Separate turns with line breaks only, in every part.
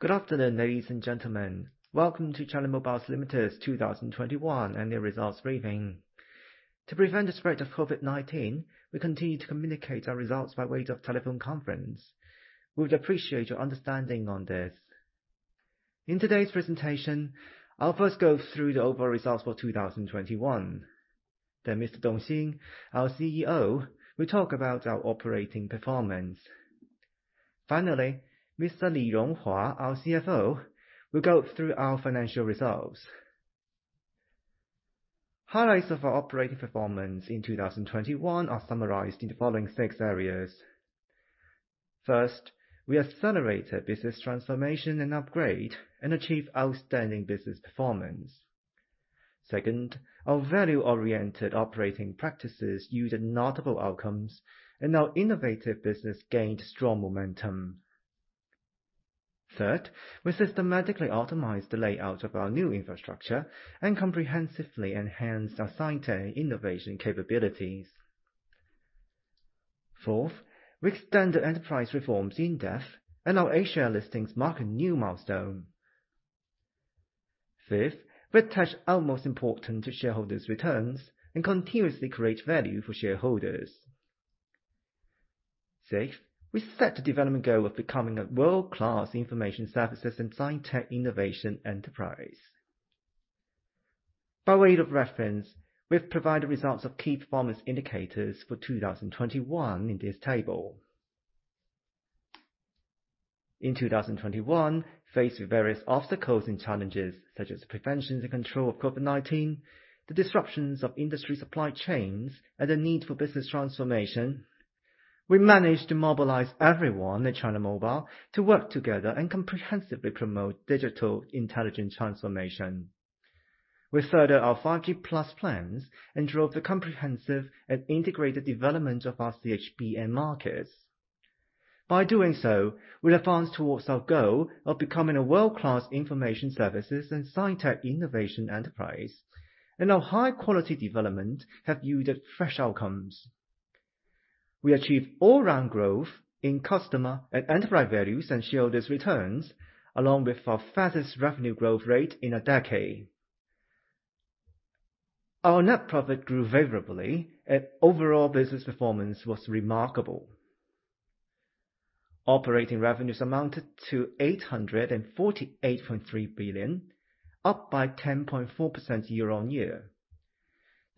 Good afternoon, ladies and gentlemen. Welcome to China Mobile Limited's 2021 annual results briefing. To prevent the spread of COVID-19, we continue to communicate our results by way of telephone conference. We would appreciate your understanding on this. In today's presentation, I'll first go through the overall results for 2021. Then Mr. Dong Xin, our CEO, will talk about our operating performance. Finally, Mr. Li Ronghua, our CFO, will go through our financial results. Highlights of our operating performance in 2021 are summarized in the following six areas. First, we accelerated business transformation and upgrade and achieved outstanding business performance. Second, our value-oriented operating practices yielded notable outcomes, and our innovative business gained strong momentum. Third, we systematically optimized the layout of our new infrastructure and comprehensively enhanced our sci-tech innovation capabilities. Fourth, we extended enterprise reforms in depth, and our A-share listings mark a new milestone. Fifth, we attach utmost importance to shareholders' returns and continuously create value for shareholders. Sixth, we set the development goal of becoming a world-class information services and sci-tech innovation enterprise. By way of reference, we have provided results of key performance indicators for 2021 in this table. In 2021, faced with various obstacles and challenges such as the prevention and control of COVID-19, the disruptions of industry supply chains, and the need for business transformation, we managed to mobilize everyone at China Mobile to work together and comprehensively promote digital-intelligent transformation. We further our 5G+ plans and drove the comprehensive and integrated development of our CHBN markets. By doing so, we advanced towards our goal of becoming a world-class information services and sci-tech innovation enterprise, and our high-quality development have yielded fresh outcomes. We achieved all-round growth in customer and enterprise values and shareholders' returns, along with our fastest revenue growth rate in a decade. Our net profit grew favorably, and overall business performance was remarkable. Operating revenues amounted to 848.3 billion, up by 10.4% year-on-year.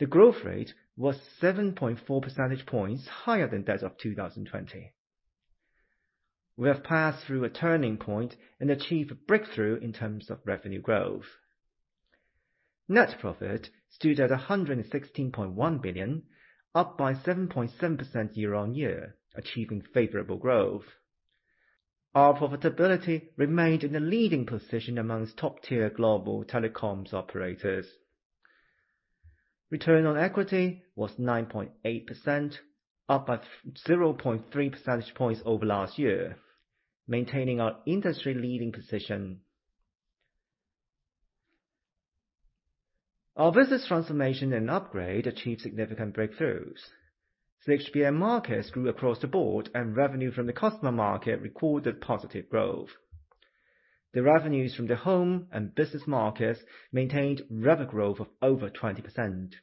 The growth rate was 7.4 percentage points higher than that of 2020. We have passed through a turning point and achieved a breakthrough in terms of revenue growth. Net profit stood at 116.1 billion, up by 7.7% year-on-year, achieving favorable growth. Our profitability remained in the leading position among top-tier global telecoms operators. Return on equity was 9.8%, up by 0.3 percentage points over last year, maintaining our industry leading position. Our business transformation and upgrade achieved significant breakthroughs. CHBN markets grew across the board, and revenue from the customer market recorded positive growth. The revenues from the home and business markets maintained rapid growth of over 20%,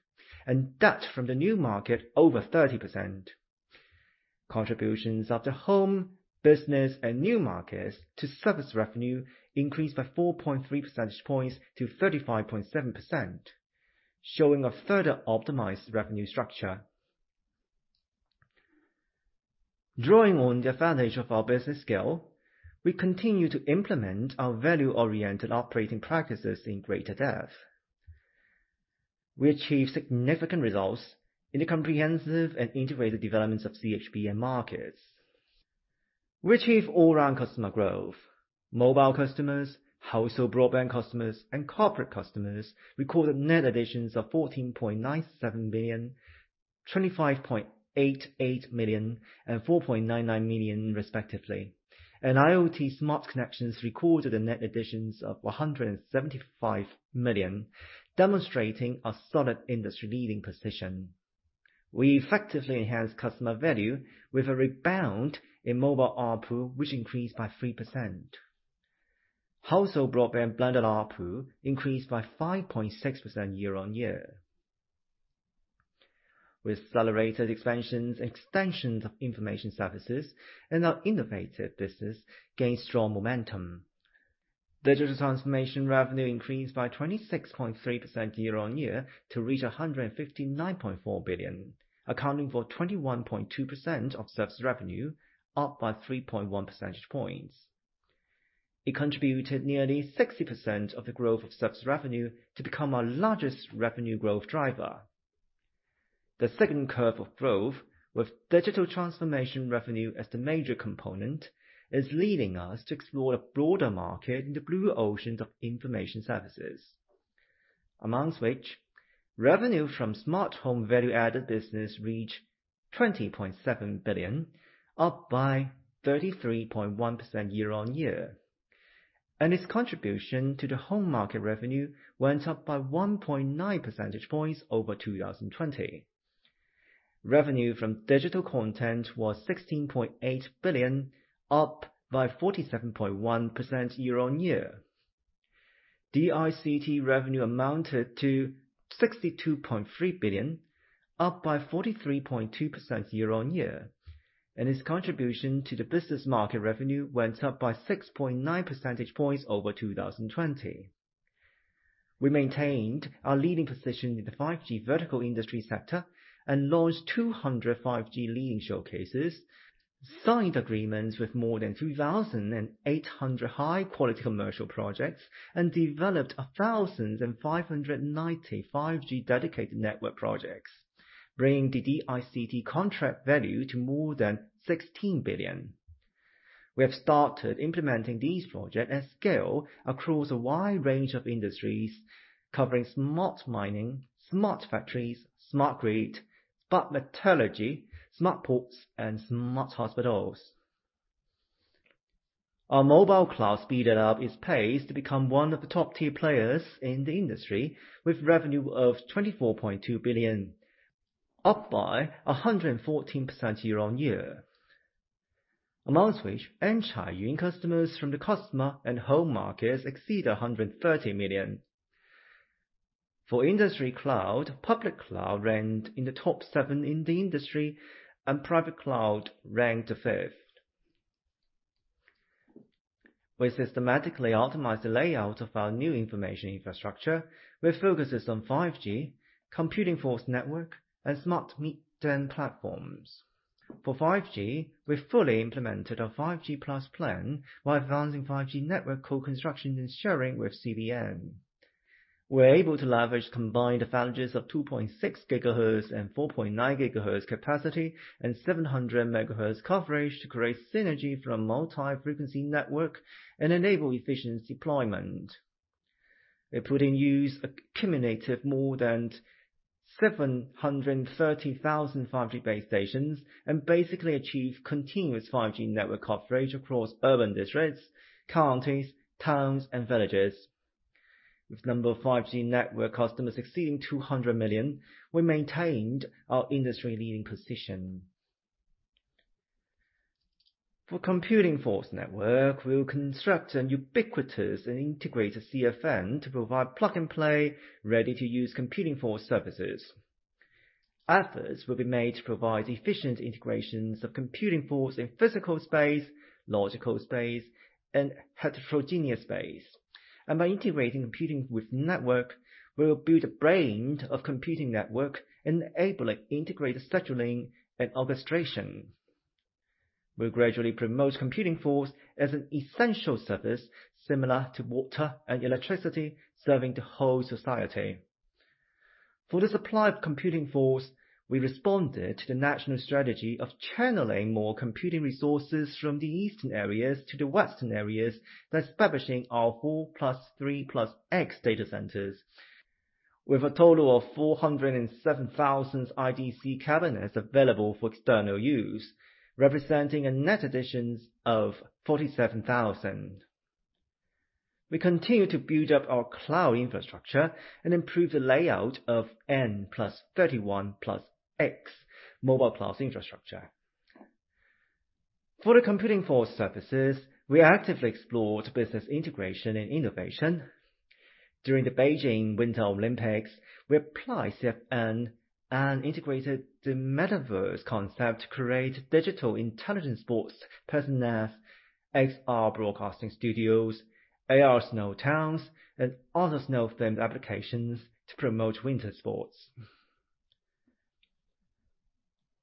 and that from the new market over 30%. Contributions of the home, business, and new markets to service revenue increased by 4.3 percentage points to 35.7%, showing a further optimized revenue structure. Drawing on the advantage of our business scale, we continue to implement our value-oriented operating practices in greater depth. We achieved significant results in the comprehensive and integrated developments of CHBN markets. We achieved all-round customer growth. Mobile customers, household broadband customers, and corporate customers recorded net additions of 14.97 million, 25.88 million, and 4.99 million respectively. IoT smart connections recorded a net additions of 175 million, demonstrating a solid industry-leading position. We effectively enhanced customer value with a rebound in mobile ARPU, which increased by 3%. Household broadband blended ARPU increased by 5.6% year-on-year. We accelerated expansions and extensions of information services and our innovative business gained strong momentum. Digital transformation revenue increased by 26.3% year-on-year to reach 159.4 billion, accounting for 21.2% of service revenue, up by 3.1 percentage points. It contributed nearly 60% of the growth of service revenue to become our largest revenue growth driver. The second curve of growth with digital transformation revenue as the major component is leading us to explore a broader market in the blue ocean of information services. Among which, revenue from smart home value-added business reached 20.7 billion, up 33.1% year-on-year. Its contribution to the home market revenue went up by 1.9 percentage points over 2020. Revenue from digital content was 16.8 billion, up 47.1% year-on-year. DICT revenue amounted to 62.3 billion, up 43.2% year-on-year, and its contribution to the business market revenue went up by 6.9 percentage points over 2020. We maintained our leading position in the 5G vertical industry sector and launched 200 5G leading showcases, signed agreements with more than 3,800 high-quality commercial projects, and developed 1,590 5G dedicated network projects, bringing the DICT contract value to more than 16 billion. We have started implementing these projects at scale across a wide range of industries, covering smart mining, smart factories, smart grid, smart metallurgy, smart ports, and smart hospitals. Our mobile cloud speeded up its pace to become one of the top tier players in the industry with revenue of 24.2 billion, up 114% year on year. Among which, An-Caiyun customers from the customer and home markets exceed 130 million. For industry cloud, public cloud ranked in the top 7 in the industry, and private cloud ranked fifth. We systematically optimized the layout of our new information infrastructure, with focuses on 5G, Computing Force Network, and smart middle platforms. For 5G, we fully implemented our 5G+ plan by advancing 5G network co-construction and sharing with CBN. We're able to leverage combined advantages of 2.6 GHz and 4.9 GHz capacity and 700 MHz coverage to create synergy from multi-frequency network and enable efficient deployment. We put in use a cumulative more than 730,000 5G base stations and basically achieved continuous 5G network coverage across urban districts, counties, towns, and villages. With number of 5G network customers exceeding 200 million, we maintained our industry-leading position. For Computing Force Network, we will construct a ubiquitous and integrated CFN to provide plug-and-play, ready-to-use computing force services. Efforts will be made to provide efficient integrations of computing force in physical space, logical space, and heterogeneous space. By integrating computing with network, we will build a brain of computing network and enable an integrated scheduling and orchestration. We'll gradually promote computing force as an essential service similar to water and electricity serving the whole society. For the supply of computing force, we responded to the national strategy of channeling more computing resources from the eastern areas to the western areas by establishing our 4+3+X data centers with a total of 407,000 IDC cabinets available for external use, representing a net addition of 47,000. We continue to build up our cloud infrastructure and improve the layout of N+31+X mobile cloud infrastructure. For the computing force services, we actively explored business integration and innovation. During the Beijing Winter Olympics, we applied CFN and integrated the metaverse concept to create digital intelligent sports personas, XR broadcasting studios, AR snow towns, and other snow-themed applications to promote winter sports.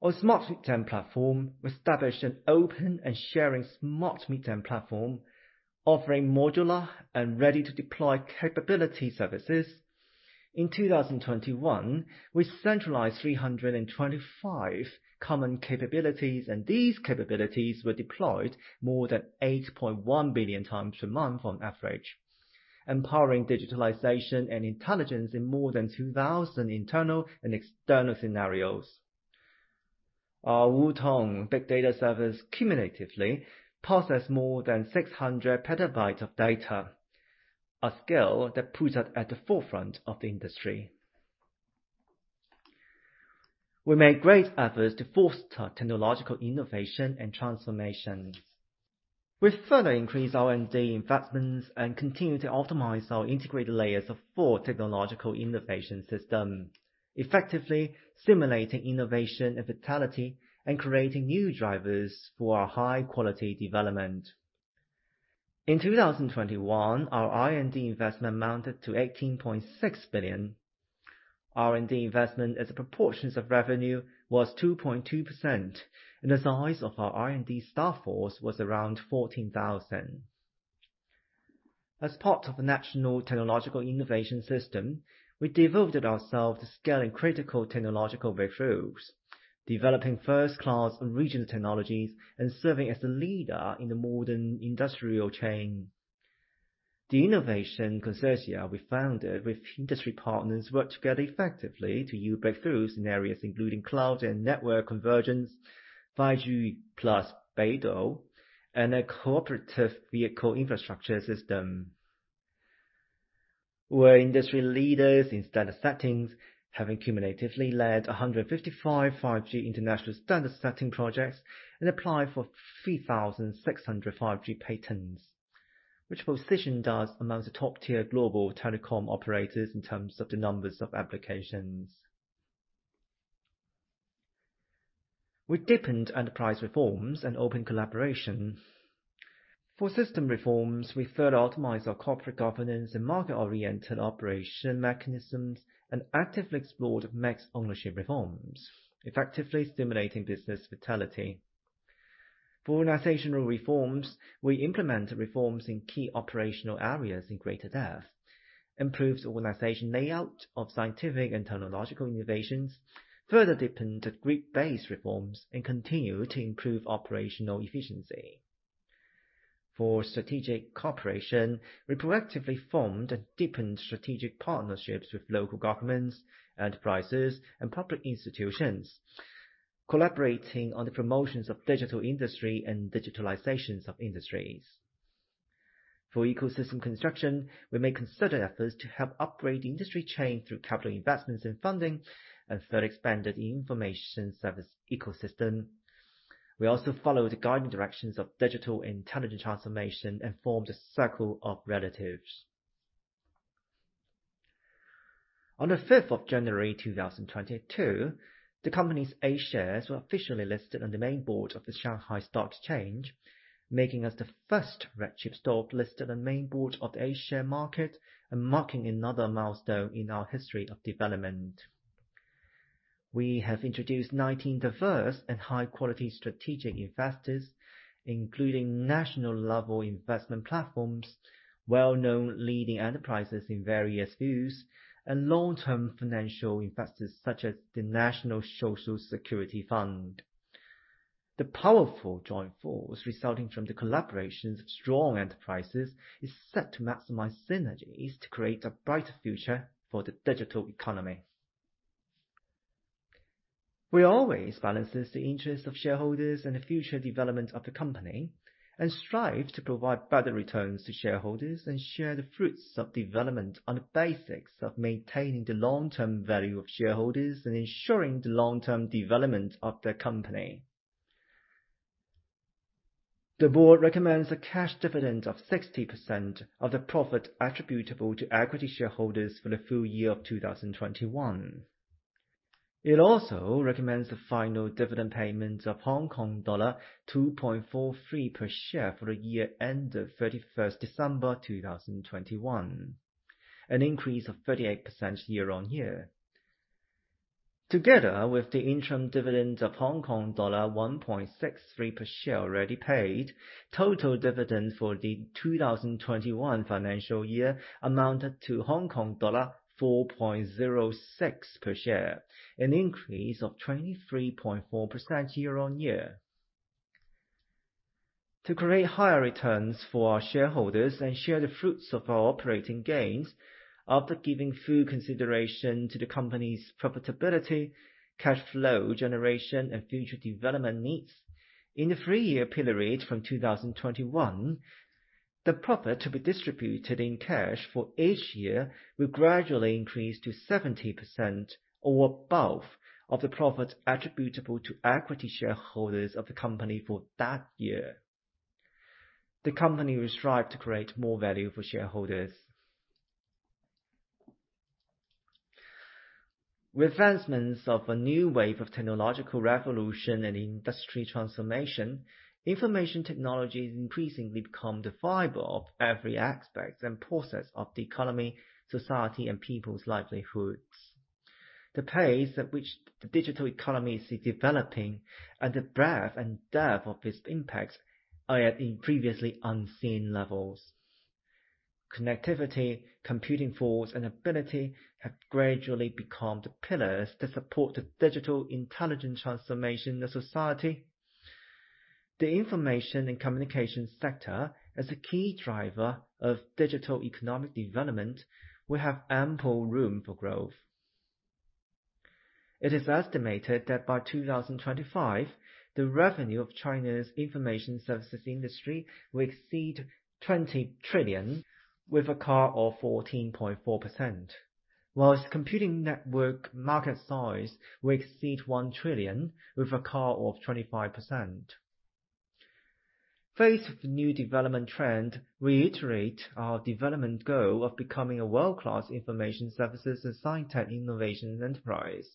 On Smart Middle Platform, we established an open and sharing Smart Middle Platform offering modular and ready-to-deploy capability services. In 2021, we centralized 325 common capabilities, and these capabilities were deployed more than 8.1 billion times per month on average, empowering digitalization and intelligence in more than 2,000 internal and external scenarios. Our Wutong big data service cumulatively processed more than 600 petabytes of data, a scale that puts us at the forefront of the industry. We made great efforts to foster technological innovation and transformation. We further increased R&D investments and continued to optimize our integrated layers of four technological innovation system, effectively stimulating innovation and vitality and creating new drivers for our high-quality development. In 2021, our R&D investment amounted to 18.6 billion. R&D investment as a proportion of revenue was 2.2%, and the size of our R&D staff force was around 14,000. As part of the National Technological Innovation System, we devoted ourselves to scaling critical technological breakthroughs, developing first-class regional technologies, and serving as a leader in the modern industrial chain. The innovation consortia we founded with industry partners worked together effectively to yield breakthroughs in areas including cloud and network convergence, 5G+ BeiDou, and a cooperative vehicle infrastructure system. We're industry leaders in standard settings, having cumulatively led 155 5G international standard-setting projects and applied for 3,600 5G patents, which positions us amongst the top-tier global telecom operators in terms of the numbers of applications. We deepened enterprise reforms and open collaboration. For system reforms, we further optimized our corporate governance and market-oriented operation mechanisms and actively explored mixed-ownership reforms, effectively stimulating business vitality. For organizational reforms, we implemented reforms in key operational areas in greater depth, improved the organization layout of scientific and technological innovations, further deepened group-based reforms, and continued to improve operational efficiency. For strategic cooperation, we proactively formed and deepened strategic partnerships with local governments, enterprises, and public institutions, collaborating on the promotions of digital industry and digitalizations of industries. For ecosystem construction, we made concerted efforts to help upgrade the industry chain through capital investments and funding and further expanded the information service ecosystem. We also followed the guiding directions of digital-intelligent transformation and formed a Circle of Relatives. On the 5th of January 2022, the company's A-shares were officially listed on the main board of the Shanghai Stock Exchange, making us the first red chip stock listed on the main board of the A-share market and marking another milestone in our history of development. We have introduced 19 diverse and high-quality strategic investors, including national-level investment platforms, well-known leading enterprises in various fields, and long-term financial investors such as the National Social Security Fund. The powerful joint force resulting from the collaborations of strong enterprises is set to maximize synergies to create a brighter future for the digital economy. We always balances the interest of shareholders and the future development of the company and strive to provide better returns to shareholders and share the fruits of development on the basis of maintaining the long-term value of shareholders and ensuring the long-term development of the company. The board recommends a cash dividend of 60% of the profit attributable to equity shareholders for the full year of 2021. It also recommends the final dividend payment of Hong Kong dollar 2.43 per share for the year ended 31st December 2021, an increase of 38% year-on-year. Together with the interim dividend of Hong Kong dollar 1.63 per share already paid, total dividend for the 2021 financial year amounted to Hong Kong dollar 4.06 per share, an increase of 23.4% year-on-year. To create higher returns for our shareholders and share the fruits of our operating gains, after giving full consideration to the company's profitability, cash flow generation, and future development needs, in the 3-year period from 2021, the profit to be distributed in cash for each year will gradually increase to 70% or above of the profit attributable to equity shareholders of the company for that year. The company will strive to create more value for shareholders. With the advancements of a new wave of technological revolution and industry transformation, information technology is increasingly becoming the fiber of every aspect and process of the economy, society, and people's livelihoods. The pace at which the digital economy is developing and the breadth and depth of its impacts are at previously unseen levels. Connectivity, computing force, and ability have gradually become the pillars that support the digital intelligent transformation of society. The information and communication sector, as a key driver of digital economic development, will have ample room for growth. It is estimated that by 2025, the revenue of China's information services industry will exceed 20 trillion, with a CAGR of 14.4%, while computing network market size will exceed 1 trillion, with a CAGR of 25%. Faced with the new development trend, we reiterate our development goal of becoming a world-class information services and sci-tech innovation enterprise.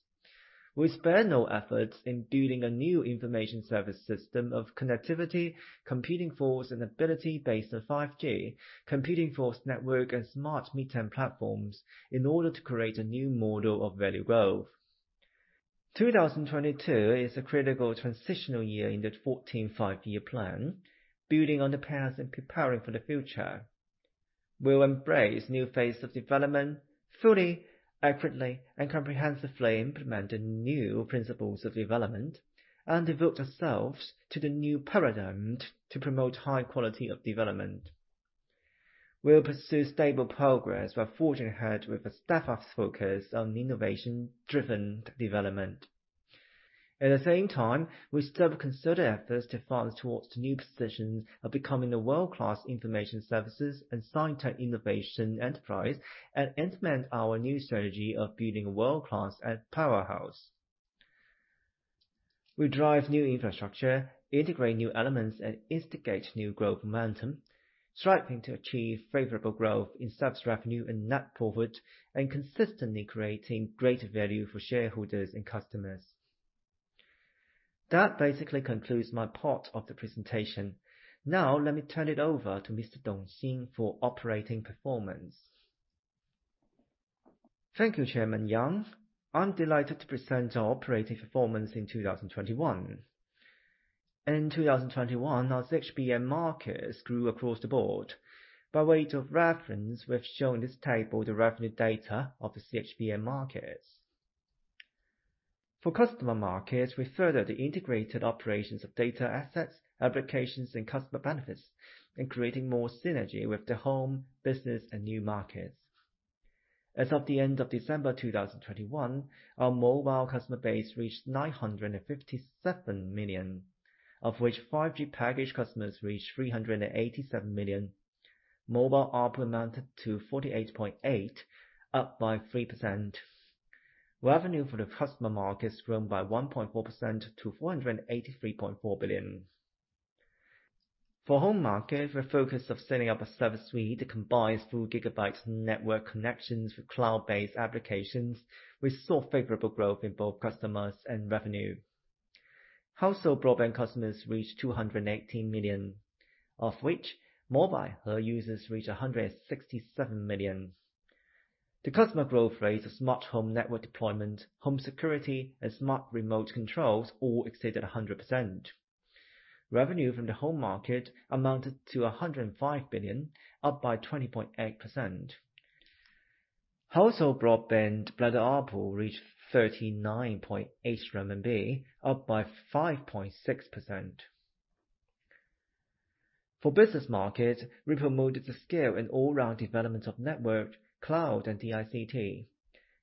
We spare no efforts in building a new information service system of connectivity, computing force, and ability based on 5G, Computing Force Network, and smart middle platforms in order to create a new model of value growth. 2022 is a critical transitional year in the 14th Five-Year Plan, building on the past and preparing for the future. We will embrace new phase of development, fully, accurately, and comprehensively implement the new principles of development, and devote ourselves to the new paradigm to promote high quality of development. We will pursue stable progress while forging ahead with a steadfast focus on innovation-driven development. At the same time, we still consider efforts to further towards the new positions of becoming a world-class information services and sci-tech innovation enterprise and implement our new strategy of building world-class and powerhouse. We drive new infrastructure, integrate new elements, and instigate new growth momentum, striving to achieve favorable growth in service revenue and net profit, and consistently creating greater value for shareholders and customers. That basically concludes my part of the presentation. Now let me turn it over to Mr. Dong Xin for operating performance.
Thank you, Chairman Yang. I'm delighted to present our operating performance in 2021. In 2021, our CHBN markets grew across the board. By way of reference, we've shown this table the revenue data of the CHBN markets. For customer markets, we further the integrated operations of data assets, applications, and customer benefits, and creating more synergy with the home, business, and new markets. As of the end of December 2021, our mobile customer base reached 957 million, of which 5G package customers reached 387 million. Mobile ARPU amounted to 48.8, up by 3%. Revenue for the customer markets grown by 1.4% to 483.4 billion. For home market, we're focused on setting up a service suite that combines full gigabit network connections with cloud-based applications. We saw favorable growth in both customers and revenue. Household broadband customers reached 218 million, of which mobile users reached 167 million. The customer growth rates of smart home network deployment, home security, and smart remote controls all exceeded 100%. Revenue from the home market amounted to 105 billion, up by 20.8%. Household broadband blended ARPU reached CNY 39.8, up by 5.6%. For business market, we promoted the scale and all-round development of network, cloud, and DICT.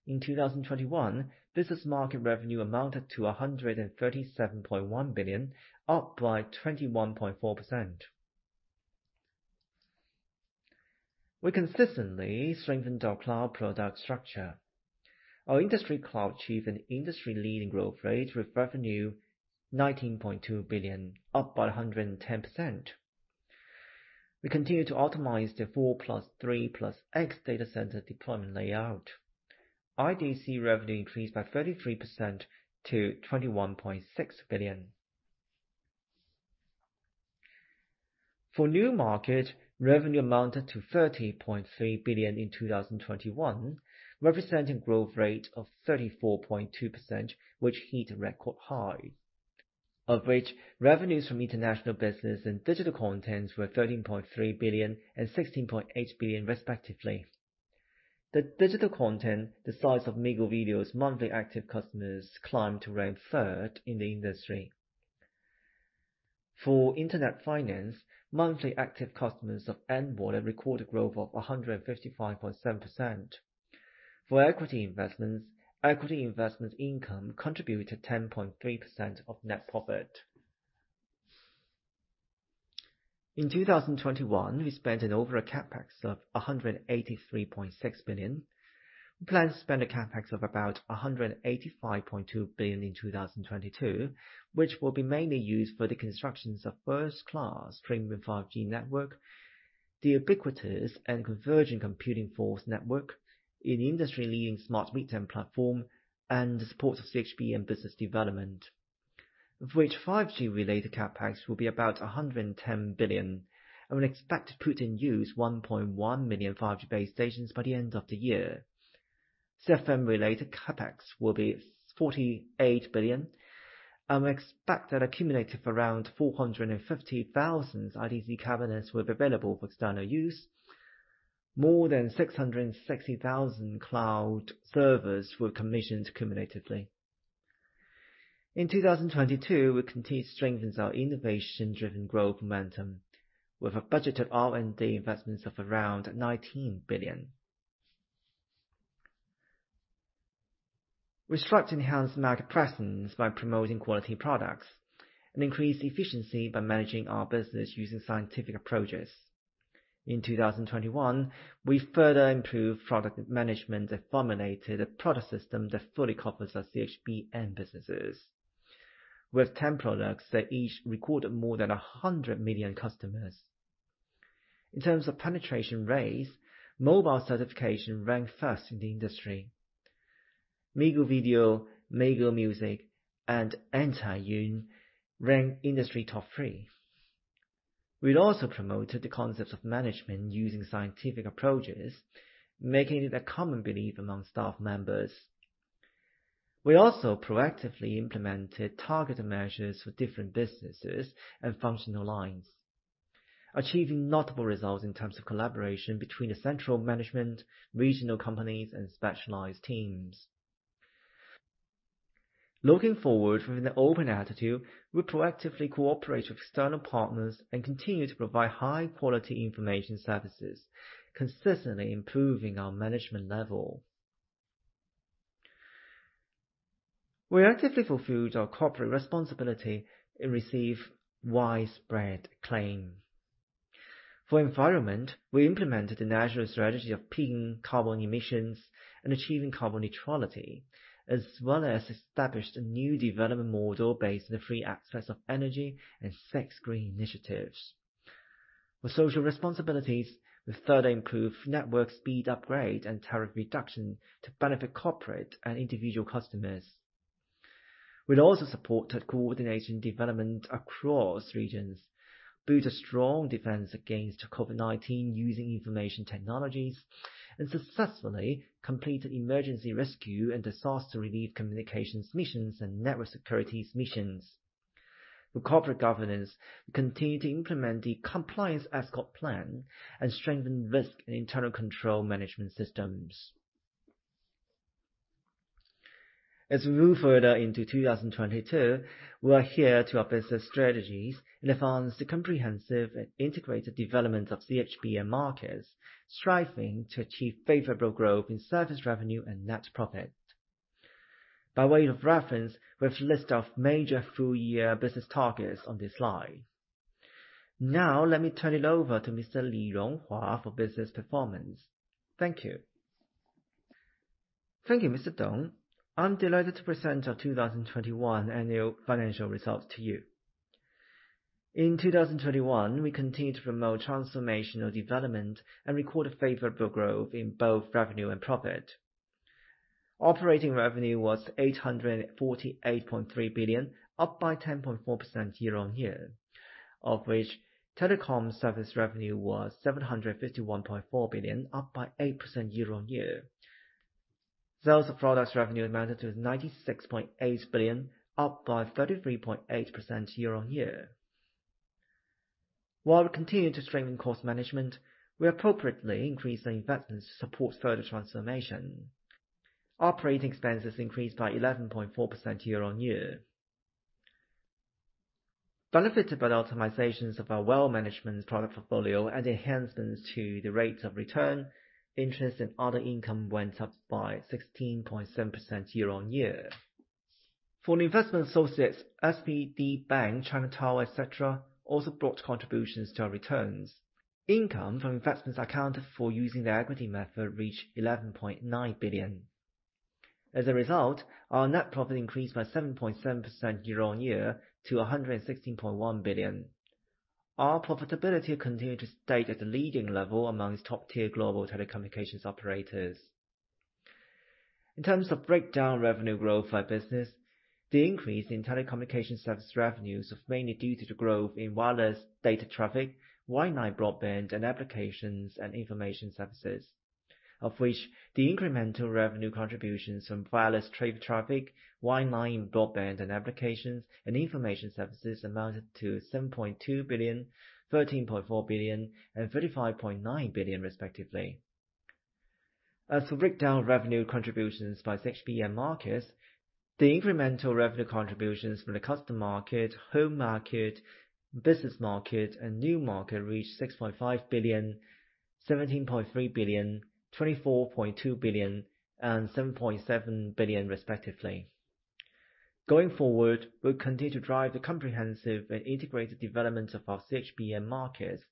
In 2021, business market revenue amounted to 137.1 billion, up by 21.4%. We consistently strengthened our cloud product structure. Our industry cloud achieved an industry-leading growth rate with revenue 19.2 billion, up by 110%. We continue to optimize the 4+3+X data center deployment layout. IDC revenue increased by 33% to CNY 21.6 billion. For new market, revenue amounted to 30.3 billion in 2021, representing growth rate of 34.2%, which hit a record high. Of which, revenues from international business and digital contents were 13.3 billion and 16.8 billion respectively. The digital content, the size of Migu Video's monthly active customers climbed to rank third in the industry. For internet finance, monthly active customers of He Bao recorded growth of 155.7%. For equity investments, equity investment income contributed 10.3% of net profit. In 2021, we spent an overall CapEx of 183.6 billion. We plan to spend a CapEx of about 185.2 billion in 2022, which will be mainly used for the constructions of first-class premium 5G network, the ubiquitous and convergent Computing Force Network, an industry-leading smart retail platform, and the support of CHBN business development. Of which 5G-related CapEx will be about 110 billion, and we expect to put in use 1.1 million 5G base stations by the end of the year. CFN-related CapEx will be 48 billion, and we expect that accumulated around 450,000 IDC cabinets will be available for external use. More than 660,000 cloud servers were commissioned cumulatively. In 2022, we continue to strengthen our innovation-driven growth momentum with a budgeted R&D investment of around CNY 19 billion. We strive to enhance market presence by promoting quality products and increase efficiency by managing our business using scientific approaches. In 2021, we further improved product management and formulated a product system that fully covers our CHBN businesses with 10 products that each recorded more than 100 million customers. In terms of penetration rates, Mobile Certification ranked first in the industry. Migu Video, Migu Music, and and-Caiyun ranked industry top three. We'd also promoted the concepts of management using scientific approaches, making it a common belief among staff members. We also proactively implemented targeted measures for different businesses and functional lines, achieving notable results in terms of collaboration between the central management, regional companies, and specialized teams. Looking forward with an open attitude, we proactively cooperate with external partners and continue to provide high-quality information services, consistently improving our management level. We actively fulfilled our corporate responsibility and receive widespread acclaim. For environment, we implemented the national strategy of peaking carbon emissions and achieving carbon neutrality, as well as established a new development model based on the free access of energy and six green initiatives. For social responsibilities, we further improved network speed upgrade and tariff reduction to benefit corporate and individual customers. We also supported coordination development across regions, built a strong defense against COVID-19 using information technologies, and successfully completed emergency rescue and disaster relief communications missions and network securities missions. For corporate governance, we continue to implement the compliance escort plan and strengthen risk and internal control management systems. As we move further into 2022, we adhere to our business strategies and advance the comprehensive and integrated development of CHBN markets, striving to achieve favorable growth in service revenue and net profit. By way of reference, we have a list of major full-year business targets on this slide. Now let me turn it over to Mr. Li Ronghua for business performance. Thank you.
Thank you, Mr. Dong. I'm delighted to present our 2021 annual financial results to you. In 2021, we continued to promote transformational development and record a favorable growth in both revenue and profit. Operating revenue was 848.3 billion, up by 10.4% year-on-year. Of which, telecom service revenue was 751.4 billion, up by 8% year-on-year. Sales of products revenue amounted to 96.8 billion, up by 33.8% year-on-year. While we continued to strengthen cost management, we appropriately increased the investments to support further transformation. Operating expenses increased by 11.4% year-on-year. Benefited by the optimizations of our wealth management product portfolio and enhancements to the rates of return, interest and other income went up by 16.7% year-on-year. For the investment associates, SPD Bank, China Tower, etc., also brought contributions to our returns. Income from investments accounted for using the equity method reached 11.9 billion. As a result, our net profit increased by 7.7% year-on-year to 116.1 billion. Our profitability continued to stay at the leading level among top-tier global telecommunications operators. In terms of breakdown revenue growth by business, the increase in telecommunication service revenues was mainly due to the growth in wireless data traffic, wireline broadband, and applications and information services. Of which, the incremental revenue contributions from wireless data traffic, wireline broadband, and applications and information services amounted to 7.2 billion, 13.4 billion, and 35.9 billion respectively. As for breakdown revenue contributions by CHBN markets, the incremental revenue contributions from the consumer market, home market, business market, and new market reached 6.5 billion, 17.3 billion, 24.2 billion, and 7.7 billion respectively. Going forward, we'll continue to drive the comprehensive and integrated development of our CHBN markets,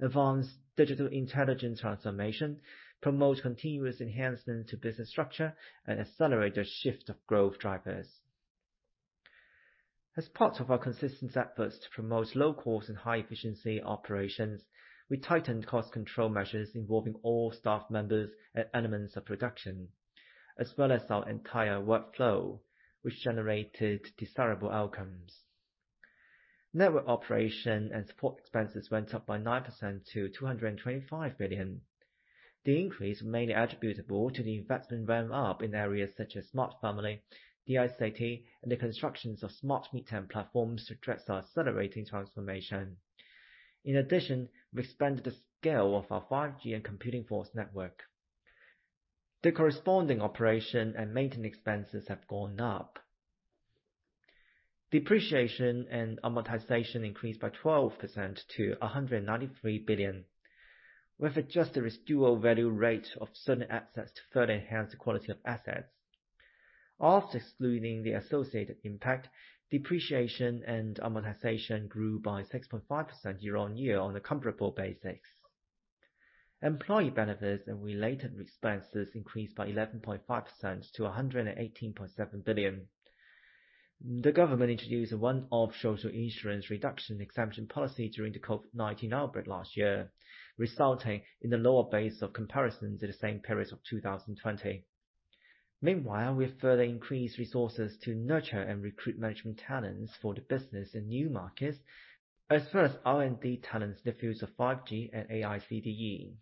advance digital-intelligent transformation, promote continuous enhancement to business structure, and accelerate the shift of growth drivers. As part of our consistent efforts to promote low cost and high efficiency operations, we tightened cost control measures involving all staff members and elements of production, as well as our entire workflow, which generated desirable outcomes. Network operation and support expenses went up 9% to 225 billion. The increase was mainly attributable to the investment ramp-up in areas such as Smart Family, the ICT, and the constructions of smart middle platforms to address our accelerating transformation. In addition, we expanded the scale of our 5G and Computing Force Network. The corresponding operation and maintenance expenses have gone up. Depreciation and amortization increased by 12% to 193 billion. We have adjusted residual value rate of certain assets to further enhance the quality of assets. After excluding the associated impact, depreciation and amortization grew by 6.5% year-on-year on a comparable basis. Employee benefits and related expenses increased by 11.5% to 118.7 billion. The government introduced a one-off social insurance reduction exemption policy during the COVID-19 outbreak last year, resulting in a lower base of comparison to the same period of 2020. Meanwhile, we have further increased resources to nurture and recruit management talents for the business in new markets, as well as R&D talents in the fields of 5G and AICDE.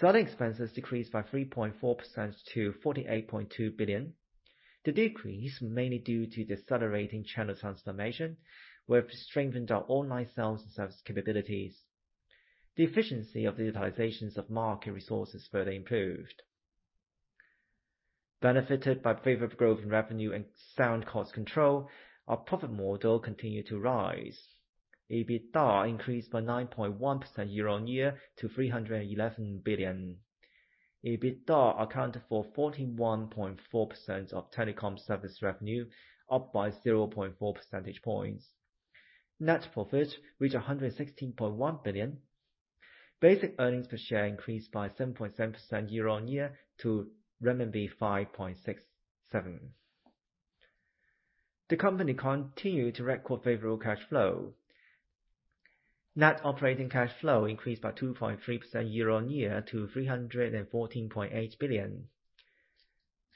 Selling expenses decreased by 3.4% to 48.2 billion. The decrease was mainly due to decelerating channel transformation. We have strengthened our online sales and service capabilities. The efficiency of digitalizations of market resources further improved. Benefited by favorable growth in revenue and sound cost control, our profit model continued to rise. EBITDA increased by 9.1% year-on-year to 311 billion. EBITDA accounted for 41.4% of telecom service revenue, up by 0.4 percentage points. Net profit reached 116.1 billion. Basic earnings per share increased by 7.7% year-on-year to RMB 5.67. The company continued to record favorable cash flow. Net operating cash flow increased by 2.3% year-on-year to 314.8 billion.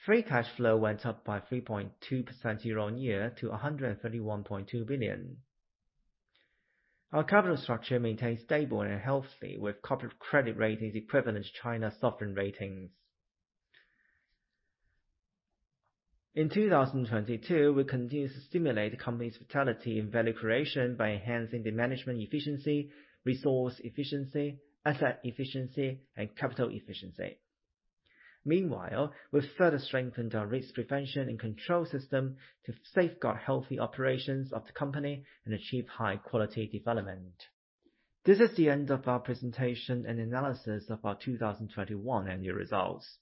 Free cash flow went up by 3.2% year-on-year to 131.2 billion. Our capital structure maintains stable and healthy, with corporate credit ratings equivalent to China's sovereign ratings. In 2022, we continue to stimulate the company's vitality in value creation by enhancing the management efficiency, resource efficiency, asset efficiency, and capital efficiency. Meanwhile, we've further strengthened our risk prevention and control system to safeguard healthy operations of the company and achieve high-quality development. This is the end of our presentation and analysis of our 2021 annual results.